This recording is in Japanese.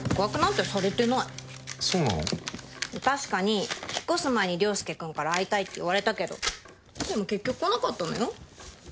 確かに引っ越す前に良介君から会いたいって言われたけどでも結局来なかったのよ。